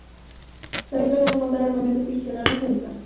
Se había planeado montar armamento adicional bajo esta.